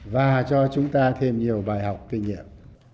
và cho chúng ta thêm nhiều bài học kinh nghiệm